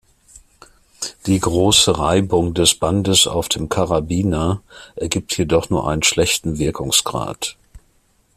Die große Reibung des Bandes auf dem Karabiner ergibt jedoch nur einen schlechten Wirkungsgrad.